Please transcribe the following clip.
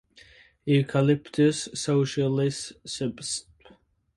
Eucalyptus socialis subsp.